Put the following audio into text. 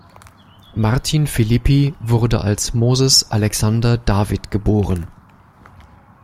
Martin Philippi wurde als Moses Alexander David geboren.